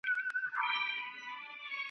او که خدای دي په نصیب کړی انسان وي .